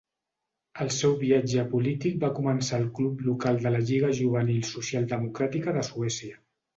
El seu viatge polític va començar al club local de la Lliga Juvenil Socialdemocràtica de Suècia.